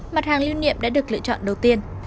mặt hàng lưu niệm đã được lựa chọn đầu tiên